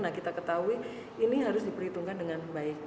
nah kita ketahui ini harus diperhitungkan dengan baik